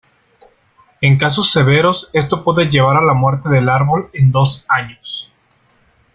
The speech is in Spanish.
En casos severos esto puede llevar a la muerte del árbol en dos años.